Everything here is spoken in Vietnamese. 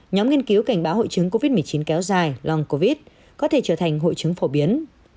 nhóm nghiên cứu cảnh báo hội chứng covid một mươi chín kéo dài long covid có thể trở thành hội chứng phổ biến